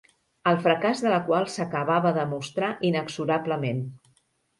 El fracàs de la qual s'acabava de mostrar inexorablement.